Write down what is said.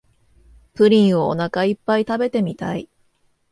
プリンをおなかいっぱい食べてみたい